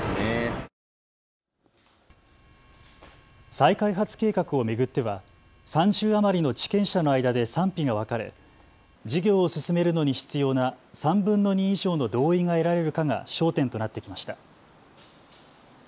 再開発計画を巡っては３０余りの地権者の間で賛否が分かれ事業を進めるのに必要な３分の２以上の同意が得られるかが焦点となってきました。